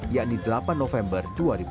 yakni delapan november dua ribu dua puluh